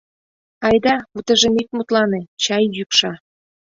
— Айда, утыжым ит мутлане, чай йӱкша...